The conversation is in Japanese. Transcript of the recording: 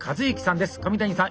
上谷さん